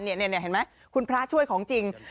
นี่เห็นไหมคุณพระช่วยของจริง